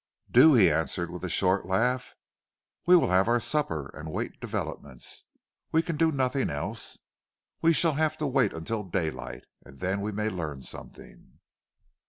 "Do!" he answered with a short laugh. "We will have our supper and wait developments. We can do nothing else. We shall have to wait until daylight then we may learn something."